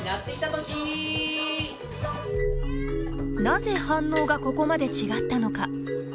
なぜ反応がここまで違ったのか。